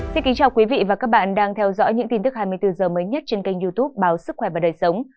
xin kính chào quý vị và các bạn đang theo dõi những tin tức hai mươi bốn h mới nhất trên kênh youtube báo sức khỏe và đời sống